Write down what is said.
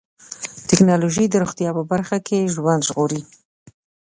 ټکنالوجي د روغتیا په برخه کې ژوند ژغوري.